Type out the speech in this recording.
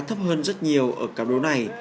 thấp hơn rất nhiều ở các đấu này